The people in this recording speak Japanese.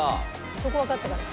ここはわかったからさ。